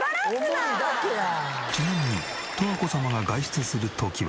ちなみに十和子様が外出する時は。